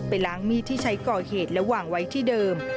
ล้างมีดที่ใช้ก่อเหตุและวางไว้ที่เดิม